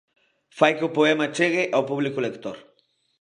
Fai que o poema chegue ao público lector.